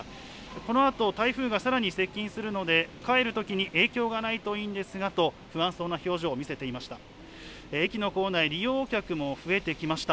このあと台風がさらに接近するので、帰るときに影響がないといいんですがと、不安そうな表情を見せていました。